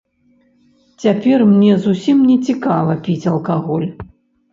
Цяпер мне зусім не цікава піць алкаголь.